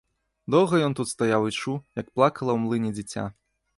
Доўга ён тут стаяў і чуў, як плакала ў млыне дзіця.